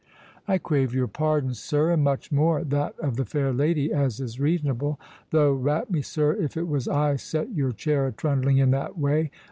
"I crave your pardon, sir, and much more that of the fair lady, as is reasonable; though, rat me, sir, if it was I set your chair a trundling in that way.